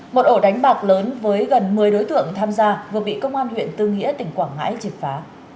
một ổ đánh bạc lớn với gần một mươi đối tượng tham gia vừa bị công an huyện tư nghĩa tỉnh quảng ngãi triệt phá